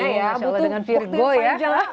insya allah dengan virgo ya